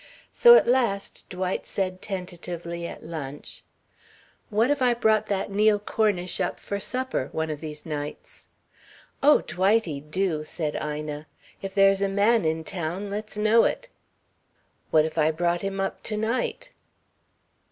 So at last Dwight said tentatively at lunch: "What if I brought that Neil Cornish up for supper, one of these nights?" "Oh, Dwightie, do," said Ina. "If there's a man in town, let's know it." "What if I brought him up to night?"